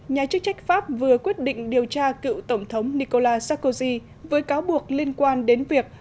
nhà chức trách pháp vừa quyết định điều tra cựu tổng thống nicola sakozy với cáo buộc liên quan đến việc